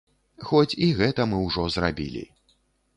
Хоць і гэта мы ўжо зрабілі.